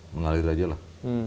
mengalir aja lah